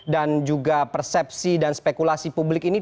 dan juga persepsi dan spekulasi publik ini